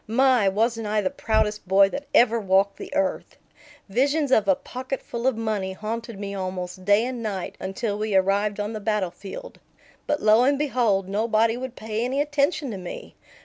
My, wasn't I the proudest boy that ever walked the earth! Visions of a pocketful of money haunted me almost day and night until we arrived on the battle field. But lo and behold, nobody would pay any attention to me!